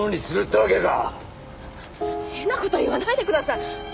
変な事言わないでください。